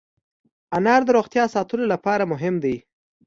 انار د روغتیا ساتلو لپاره مهم دی.